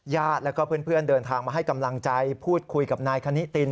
ญาติแล้วก็เพื่อนเดินทางมาให้กำลังใจพูดคุยกับนายคณิติน